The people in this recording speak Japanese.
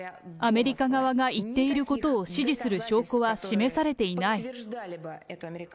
アメリカ側が言っていることを支持する証拠は示されていない。